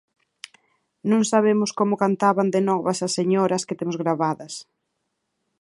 Non sabemos como cantaban de novas as señoras que temos gravadas.